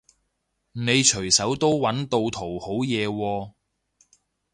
你隨手都搵到圖好嘢喎